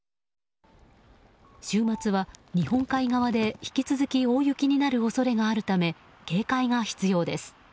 週末は日本海側で引き続き大雪になる恐れがあるため警戒が必要です。